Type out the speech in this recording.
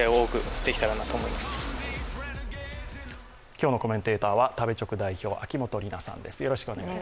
今日のコメンテーターは食べチョク代表秋元里奈さんです。